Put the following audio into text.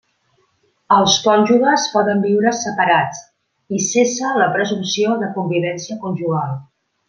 Els cònjuges poden viure separats, i cessa la presumpció de convivència conjugal.